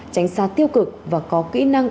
tránh xa tiêu cực và có kỹ năng